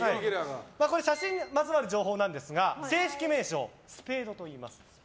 写真にまつわる情報なんですが正式名称、スペードといいます。